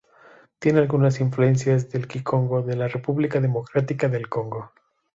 Tiene algunas influencias del kikongo de la República Democrática del Congo.